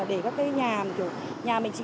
để các cái nhà nhà mình chỉ